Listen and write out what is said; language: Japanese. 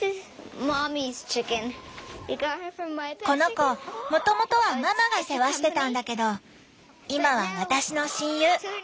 この子もともとはママが世話してたんだけど今は私の親友。